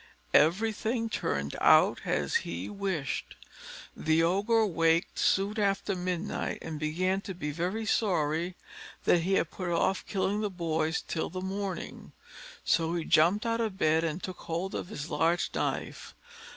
Everything turned out as he wished. The Ogre waked soon after midnight, and began to be very sorry that he had put off killing the boys till the morning: so he jumped out of bed, and took hold of his large knife.